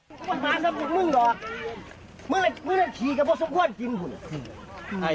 กูบอกหาสมุทรมึงหรอมึงไม่ได้ขี่กับมันสมควรกิน